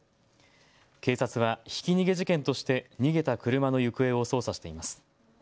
警察はひき逃げ事件として逃げた車の行方を捜査しています。